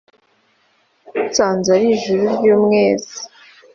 «nsanze ari ijuru ry’umwezi